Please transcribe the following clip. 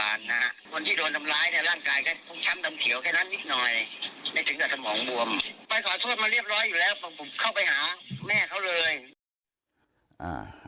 ขอโทษมาเรียบร้อยอยู่แล้วผมเข้าไปหาแม่เขาเลยอ่า